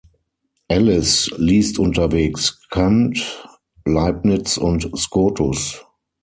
Ellis liest unterwegs Kant, Leibniz und Scotus.